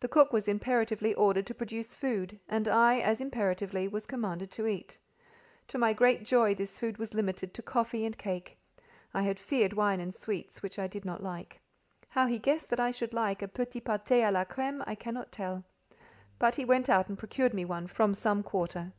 The cook was imperatively ordered to produce food, and I, as imperatively, was commanded to eat. To my great joy this food was limited to coffee and cake: I had feared wine and sweets, which I did not like. How he guessed that I should like a petit pâté à la crême I cannot tell; but he went out and procured me one from some quarter.